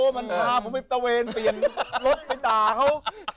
มันพาผมไปตะเวนเปลี่ยนรถไปด่าเขา